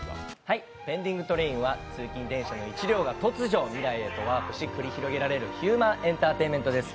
「ペンディングトレイン」は通勤電車の１両が突如、未来へとワープし繰り広げられるヒューマンエンターテインメントです。